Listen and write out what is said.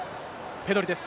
ペドリです。